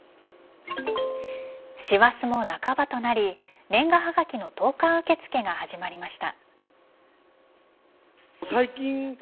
師走も半ばとなり年賀はがきの投函受け付けが始まりました。